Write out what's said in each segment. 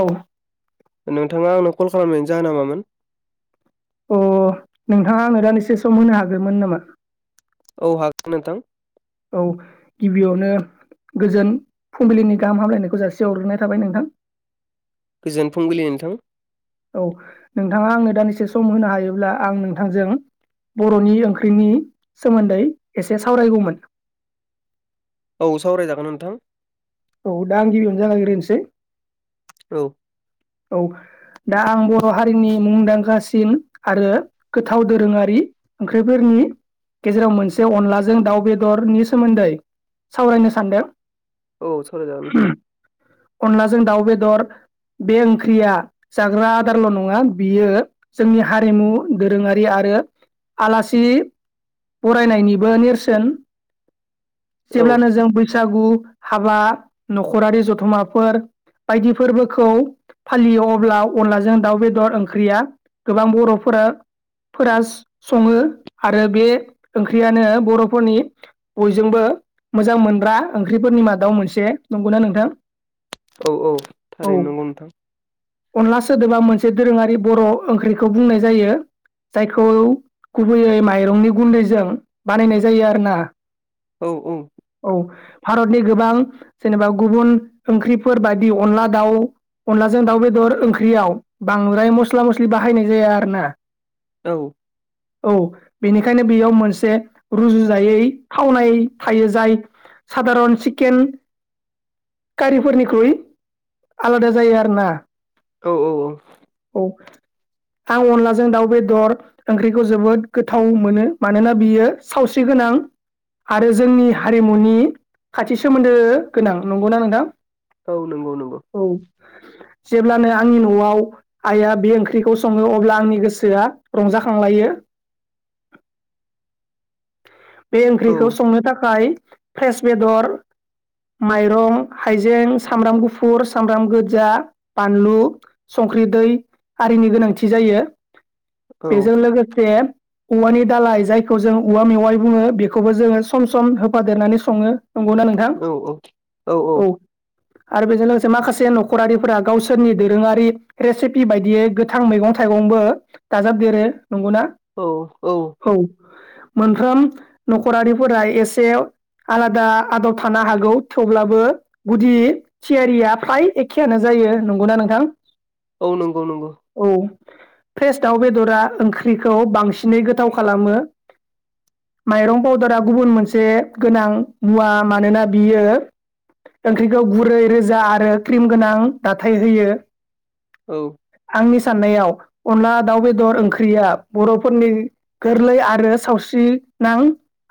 औ नोंथाङा आंनो कल खालामनायनि जाहोना मामोन? अ नोंथाङा आंनो दानदिसे सम होनो हागौमोन नामा? औ हागोन नोंथां। औ गिबियावनो गोजोन फुंबिलिनि गाहाम हामलायनायखौ जासिहरग्रोनाय थाबाय नोंथां। गोजोन फुंबिलि नोंथां। औ नोंथाङा आंनो दानदिसे सम होनो हायोब्ला आं नोंथांजों बर'नि ओंख्रिनि सोमोन्दै एसे सावरायगौमोन। औ सावरायजागोन नोंथां। औ दा आं गिबियावनो जागायग्रोनोसै। औ औ दा आं बर' हारिनि मुंदांखासिन आरो गोथाव दोरोङारि ओंख्रिफोरनि गेजेराव मोनसे अनलाजों दाउ बेदरनि सोमोन्दै सावरायनो सानदों। औ सावरायजागोन नोंथां। अनलाजों दाउ बेदर बे ओंख्रिया जाग्रा आदारल' नङा बियो जोंनि हारिमु दोरोङारि आरो आलासि बरायनायनिबो नेरसोन। औ जेब्लानो जों बै बैसागु हाबा न'खरारि जथुमाफोर बायदि फोरबोखौ फालियो अब्ला अनलाजों दाउ बेदर ओंख्रिया गोबां बर'फोरा फोरास संयो आरो बे ओंख्रियानो बर'फोरनि बयजोंबो मोजां मोनग्रा ओंख्रिफोरनि मादाव मोनसे नंगौना नोंथां? औ औ औ थारैनो नंगौ नोंथां। अनला सोदोबा मोनसे दोरोङारि बर' ओंख्रिखौ बुंनाय जायो। जायखौ गुबैयै माइरंनि गुन्दैजों बानायनाय जायो आरोना। औ औ। औ भारतनि गोबां जेनेबा गुबुन ओंख्रिफोर बायदि अनला दाउ। अनलाजों दाउ बेदर ओंख्रियाव बांद्राय मस्ला मस्लि बाहायनाय जाया आरो ना। औ औ बेनिखायनो बेयाव मोनसे रुजुजायै थावनाय थायो जाय सादारन चिकेन कारिफोरनिख्रुइ आलादा जायो आरो ना। औ औ औ। [inaudible] आं अनलाजों दाउ बेदर ओंख्रिखौ जोबोद गोथाव मोनो मानोना बियो सावस्रि गोनां आरो जोंनि हारिमुनि खाथि सोमोन्दो गोनां नंगौना नोंथां? औ नंगौ नंगौ औ जेब्लानो आंनि न'आव आइया बे ओंख्रिखौ सङो अब्ला आंनि गोसोआ रंजाखांलायो [inaudible] बे औ ओंख्रिखौ संनो थाखाय फ्रेस बेदर माइरं, हाइजें, सामब्राम गुफुर, सामब्राम गोजा, बानलु संख्रि, दै आरिनि गोनांथि जायो। औ बेजों लोगोसे औवानि दालाय जायखौ जोंङो औवा मेवाइ बुङो बेखौबो जोङो सम सम होफादेरनानै सङो नंगौना नोंथां औ औ आरो बेजों लोगोसे माखासे न'खरारिफोरा गावसोरनि दोरोङारि रेसिपि बायदियै गोथां मैगं थाइगंबो दाजाबदेरो नंगौना औ मोनफ्रोम नखरारिफोरा एसे आलादा आदब थानो हागौ थेवब्लाबो गुदि थियारिया फ्राय एखेयानो जायो नंगौना नोंथां औ नंगौ नंगौ औ फ्रेस दाउ बेदरा ओंख्रिखौ बांसिनै गोथाव खालामो माइरं पाउदारा गुबुन मोनसे गोनां मुवा मानोना बियो ओंख्रिखौ गुरै रोजा आरो क्रिम गोनां दाथाय होयो औ आंनि साननायाव अनला दाउ बेदर ओंख्रिया बर'फोरनि गोरलै आरो सावस्रि नां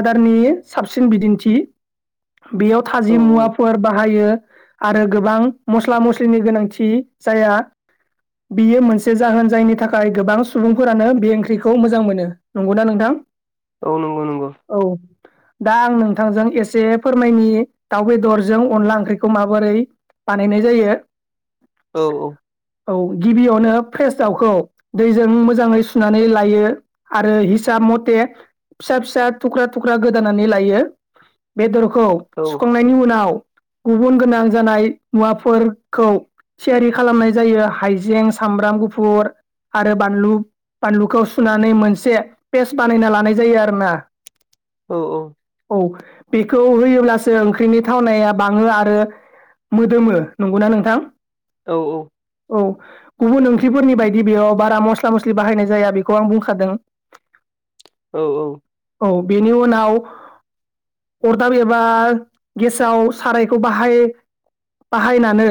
आदारनि साबसिन बिदिन्थि बेयाव औ थाजि मुवाफोर बाहायो आरो गोबां मस्ला मस्लिनि गोनांथि जाया बियो मोनसे जाहोन जायनि थाखाय गोबां सुबुंफोरानो बे ओंख्रिखौ मोजां मोनो। नंगौना नोंथां! औ नंगौ नंगौ औ दा आं नोंथांजों एसे फोरमायनि दाउ बेदरजों अनला ओंख्रिखौ माबोरै बानायनाय जायो औ औ औ गिबियावनो फ्रेस दाउखौ दैजों मोजाङै सुनानै लायो आरो हिसाब मथे बे फिसा फिसा थुख्रा गोदानानै लायो बेदर खौ औ सुखांनायनि उनाव गुबुन गोनां जानाय मुवाफोरखौ थियारि खालामनाय जायो हाइज जें सामब्राम गुफुर आरो बानलु बानलुखौ सुनानै मोनसे पेस्ट बानायना लानाय जायो आरोना औ औ बेखौ होयोब्लासो ओंख्रिनि थावनाया बाङो आरो मोदोमो नंगौना नोंथां औ औ औ गुबुन ओंख्रिफोरनि बायदि बेयाव बारा मस्ला मस्लि बाहायनाय जाया बेखौ आं बुंखादों औ औ औ बेनि उनाव अरदाब एबा गेसाव सारायखौ बाहाय बाहायनानै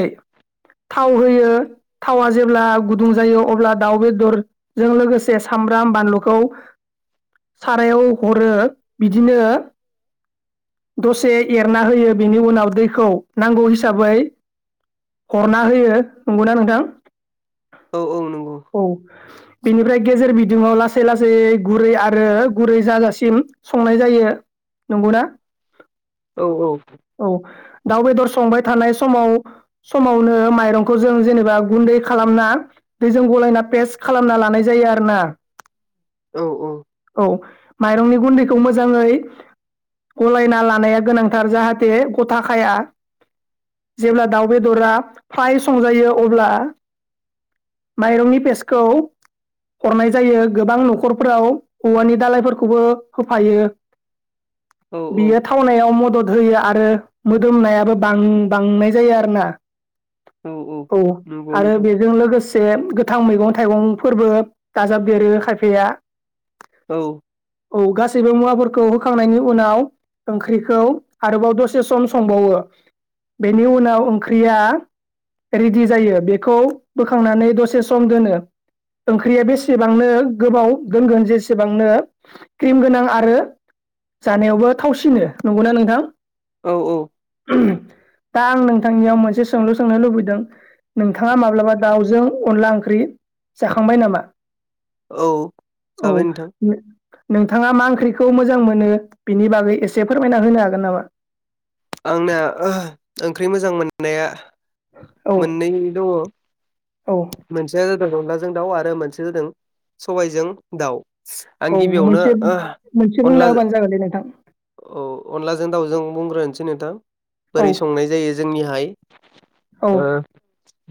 थाव होयो थावा जेब्ला गुदुं जायो अब्ला दाउ बेदरजों लोगोसे सामब्राम बानलुखौ सारायाव हरो बिदिनो दसे एरना होयो बेनि उनाव दैखौ नांगौ हिसाबै हरना होयो नंगौना नोंथां औ औ नंगौ औ बेनिफ्राय गेजेर बिदिङाव लासै लासै गुरै आरो गुरै जाजासिम संनाय जायो नंगौ ना औ औ दाउ बेदर संबाय थानाय समाव समावनो माइरंखौ जों जेनेबा गुन्दै खालामना दैजों गलायना पेस् खालामना लानाय जायो आरोोना औ औ माइरंनि गुन्दैखौ मोजाङै गलायना लानाया गोनांथार जाहाथे गथाखाया जेब्ला दाउ बेदरा फाय संजायो अब्ला माइरंनि पेस्टखौ हरनाय जायो गोबां न'खरफोराव औवानि दालायफोरखौबो होफायो बियो थावनायाव मदद होयो आरो मोदोमनायाबो बां बांनाय जायो आरो ना औ औ आरो नोंथां बेजों लोगोसे गोथां मैगं थाइगंफोरबो दाजाबदेरो खायफाया औ औ गासैबो मुवाफोरखौ होखांनायनि उनाव ओंख्रिखौ आरोबाव दसे सम संबावो बेनि उनाव ओंख्रिया रेदि जायो बे खौ बोखांनानै दसे सम दोनो ओंख्रिया बेसेबांनो गोबाव दोनगोन जेसेबांनो क्रिम गोनां आरो जानायावबो थावसिनो नंगौना नोंथां औ औ दा आं नोंथांनियाव मोनसे सोंलु सोंनो लुबैदों नोंथाङा माब्लाबा दाउजों अनला ओंख्रि जाखांबाय नामा औ औ जाबाय नोंथां नोंथाङा मा ओंख्रिखौ मोजां मोनो बिनि बागै एसे फोरमायना होनो हागोन नामा आंना ओंख्रि मोजां मोननाया औ मोननै दङ औ मोनसेया जादों अनलाजों दाउ आरो मोनसेया जादों सबायजों दाउ आं औ गिबियावनो मोनसे मोनसे बुंना अनला होबानो जागोन दे नोंथां औ अनलाजों दाउजों बुंग्रोनोसै नोंथां औ बोरै संनाय जायो जोंनिहाय औ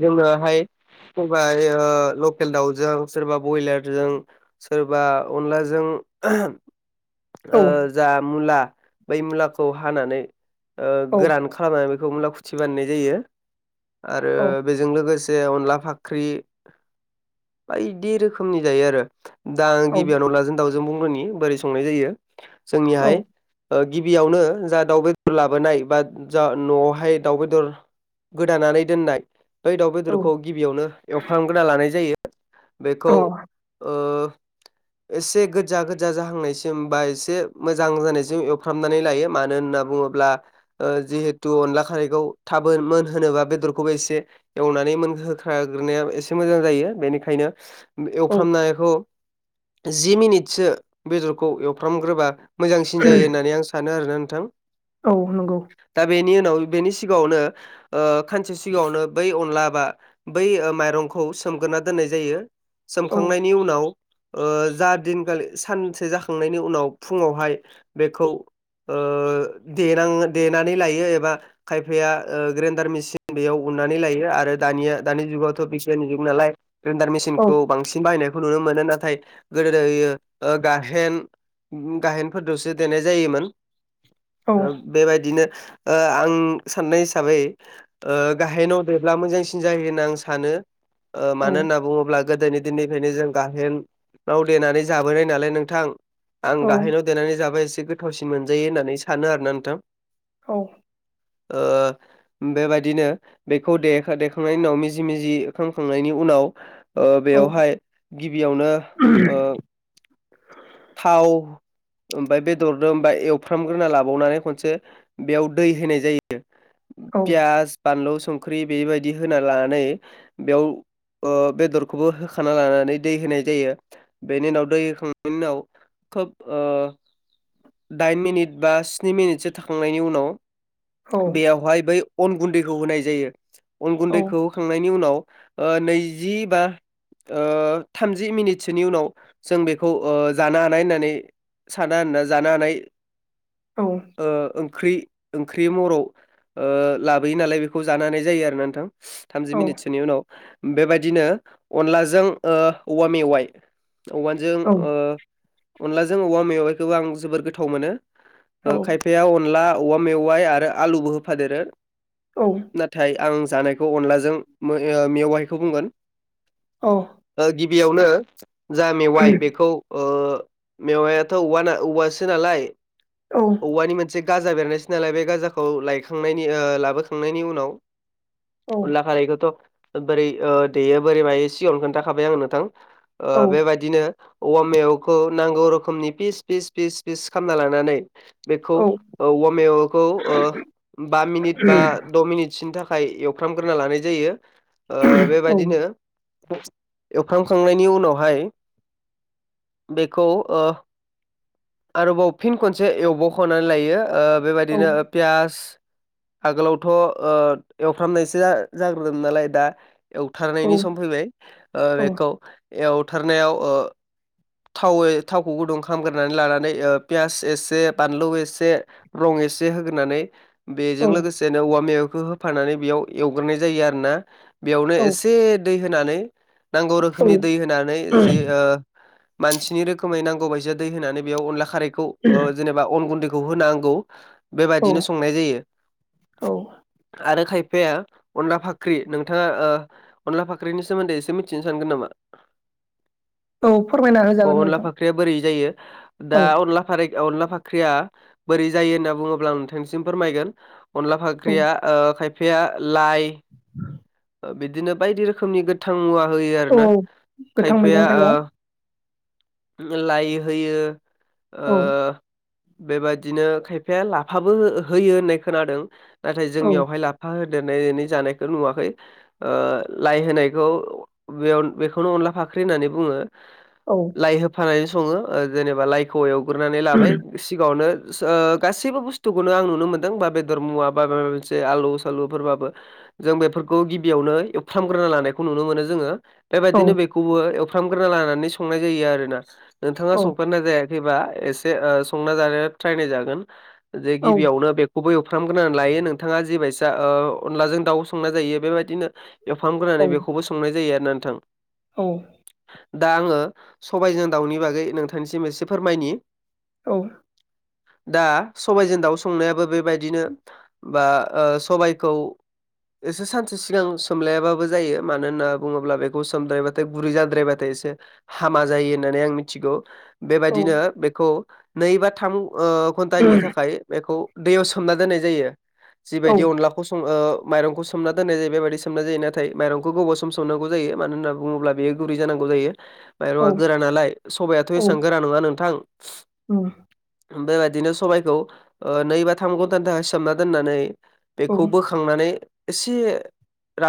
जोङोहाय सोरबा लखेल दाउजों सोरबा बयलारजों सोरबा अनलाजों आहम औ जा मुला बै मुलाखौ हानानै औ गोरान खालामनानै मुला फुथि बनाय जायो आरो औ बेजों लोगोसे अनला रि बायदि रोखोमनि जायो आरो दा गिबियावनो अनलाजों दाव बुंगोरनि बोलैं संधाय जायो औ जोंनिहाय गिबियावनो जा दाउ बेदर लाबोनाय बा जा न'आवहाय दाउ बेदर गोदानानै दोननाय बै दाउ बेदरखौ गिबियावनो एवफ्रामग्रोना लानाय जायो बेखौ अ औ [inaudible] एसे गोजा गोजा जाहांनायसिम बा एसे मोजां जानायसिम एवफ्रामनानै लायो मानो होनना बुङोब्ला बुङोब्ला जिहेथु अनला खारैखौ थाबै मोन होनोब्ला बेदरखौबो एसे एवनानै मोनहोखाग्रोना एसे मोजां जायो बेनिखायनो एवफ्रामनायखौ जि मिनिटसो बेदरखौ एवफ्रामग्रोबा मोजांसिन जायो होननानै आं सानो आरो नोंथां औ नंगौ दा बेनि उनाव बेनि सिगाङावनो ओ खानसे सिगाङावनो बै अनला बा बै माइरंखौ सोमग्रोना दोननाय जायो औ सोमखांनायनि उनाव जा दिनखालि सानसे जाखांनायनि उनाव फुङावहाय बेखौ ओ देनां देनानै लायो एबा खायफाया ग्रेन्दार मेसिन बेयाव उननानै लायो आरो दानिया दानि जुगावथ मेसिननि जुग नालाय ग्रेन्दार औ मेसिनखौ बांसिन बाहायनायखौ नुनो मोनो नाथाय गोदो गाइहेन गाहेनफोरदसो देनाय जायोमोन औ बेबायदिनो आं साननाय हिसाबै गाइहेनावदेब्ला मोजांसिन जायो होनना आं सानो औ मानो होनना बुङोब्ला गोदोनि दिननिफ्रायनो जों गाहेनाव देनानै जाबोनाय नालाय नोंथां आं औ गाहायनाव देनानै जाबाय एसे गोथावसिन मोनजायो होननानै सानो आरोना नोंथां औ ओ बेबायदिनो बेखौ देहो दे खांनायनि उनाव मिजि मिजि खामखांनायनि उनाव ओ बेयावहाय गिबियावनो ओ थाव ओमफ्राय बेदरजों ओमफाय एवफ्रामग्रोना लाबावनानै खनसे बेयाव दै होनाय जायो। पियास बानलु संख्रि बेबायदि होना लानानै बेयाव ओ बेदरखौबो होखाना लानानै दै होनाय जायो बेनि उनाव दैहोखां बेनिउनाव खोब ओ दाइन मिनिट बा स्नि मिनिटसो थखांनायनि उनाव बेयावहाय बै अन गुन्दैखौ होनाय जायो अन औ गुन्दैखौ होखांनायनि उनाव ओ नैजिबा ओ थामजि मिनिटसोनि उनाव जों बेख खौ जानो हानाय होननानै साना होनना जानो हानाय ओ ओंख्रि ओंख्रि मराव ओ लाबोयो नालाय बेखौ जानो हानाय जायो आरो ना नोंथां थामजि औ औ मिनिटसोनि उनाव बेबायदिनो अनलाजों ओ औवा मेवाइ औवाजों औ ओ अनलाजों औवा मेाइखौ आं जोबोर गोथाव मोनो खायफाया अनला औवा मेवाइ आरो आलुबो होफादेरो नाथाय आं जानायखौ अनलाजों मेवाहायखौ बुंगोन ओ गि गिबियावनो जा मेवाइ बे ओ मेवायाथ' औवाना औवासो नालाय औवानि मोनसे गाजा बेरनायसै नालाय बे गाजाखौ लायखांनायनि ओ लाबोखांनायनि उनाव अनला खारैखौथ' ओं बोरै देयो बोरै मायो सिगावनो खोन्थाखाबाय आङो नोंथां ओ बेबायदिनो औवामेवखौ नांगौ रोखोमनि फिस फिस फिस फिस खालामना लानानै बेखौ औवामेवखौ ओ बा मिनिट बा द' मिनिट सिन्थाखा थाखाय एवफ्रामग्रोना लानाय जायो ओ बेबायदिनो एवफ्रामखांनायनि उनावहाय बेखौ ओ आरोबाव फिन खनसे एवबावख'नानै लायो ओ बेबायदिनो पियास आगोलावथ' एवफ्रामनायसो जाग्रोदों नालाय दा एवथारनायनि सम फैबाय बेखौ एवथारनायाव थाव थावखौ गुदुं खालामग्रोनानै लानानै पियास एसे बानलु एसे रङ एसे होग्रोनानै बेजों लोगोसेनो औवा मेवाखौ होफानानै बेयाव एवग्रोनाय जायो आरो ना बेयावनो एसे दै होनानै नांगौ रोखोमनि दै होनानै जि ओ मानसिनि रोखोमै नांगौ बायदिया दै होनानै बेयाव अनला खारखौ जेनेबा अन गुन्दै बखौ होनांगौ बे बादिनो संनाय जायो औ बिफाया अनला फाख्रि नोंथाङा अनला फाख्रिनि सोमोन्दै एसे मिथिनो सानगोन नामा औ अ अनला फाख्रिया बोरै जायो दा औ अनला फ अनला फाख्रिया बोरै जायो होनना बुङोब्ला आं नोंथांनिसिम फोरमायगोन अनला औ फाख्रिया खायफाया लाइ बिदिनो बायदि रोखोमनि गोथां मुवा होयो औ आरोना गोथां मैगं खायफाया थाइगं लाइ होयो ओ औ बेबायादिनो खायफाया लाफाबो होयो होननाय खोनादों नाथाय औ जोंनियावहाय लाफा हो जानायखौ नुवाखै ओ लाइ होनायखौ बेखौनो अनला फाख ख्रि होननानै बुङो औ लाइ होफानानै सङो जेनेबा लाइखौ एवग्रानै लाबाय सिगाङावनो ओ गासैबो बुस्थुखौनो आं नुनो मोन्दों बा बेदर मुवा बा माबा मोनसे आलु सालुफोरबाबो जों बेफोरखौ गिबियावनो एवफ्रामग्रोना लानायखौ नुनो मोनो जोङो औ बेबायदिनो बेखौबो एवफ्रामग्रोना लानानै संनाय जायो आरोना नोंथाङा औ संफेरना जायाखै एसे संना जाना ट्राय नायजागोन जे औ गिबियावनो बेखौबो एव फ्रामग्रोनानै लायो नोंथाङा जिबायसा ओ अनलाजों दाउ संनाय जायो बेबायदिनो एवफाम ग्रोनानै बेखौबो संनाय जायो आरो नोंथां औ दा आङो सबायाइजों दाउनि बागै नोंथांनिसिम एसे फोरमायनि औ दा सबायाइजों दाउ संनायाबो बेबायदिनो बा ओ सबायखौ एसे सानसे सिगां सोमलायाबाबो जायो मानो होन्ना बुङोब्ला बेखौ सोमद्रायबाथाय गुरै जाद्रायबाथाय एसे हामा जायो होननानै आं मिथिगौ बेबायदिनो बेखौ नै बा थाम ओ घन्टानि थाखाय बेखौ दैयाव सोमना दोननाय जायो जिबायदि अनलाखौ सं ओ माइंखौ सोमना दोननाय जायो बेबायदि सोमना जायो नाथाय माइरंखौ गोबाव सम सोमनांगौ जायो मानो होनना बुङोब्ला बे गुरै जानांगौ माइरंआ गोरा नालाय सबायाथ औ एसेबां गोरा नङा नोंथां बेबायदिनो सबाइखौ नै बा थाम घन्टानि थाखाय सोमना दोननानै औ बेखौ बोखांनानै एसे रा